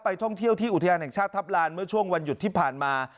ท่องเที่ยวที่อุทยานแห่งชาติทัพลานเมื่อช่วงวันหยุดที่ผ่านมา